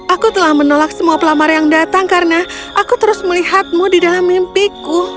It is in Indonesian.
aku telah menolak semua pelamar yang datang karena aku terus melihatmu di dalam mimpiku